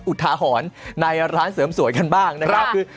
อุทาหรณ์ในร้านเสริมสวยกันบ้างนะครับคือ